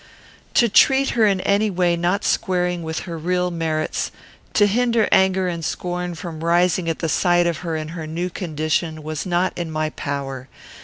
To treat her in any way not squaring with her real merits; to hinder anger and scorn from rising at the sight of her in her new condition, was not in my power.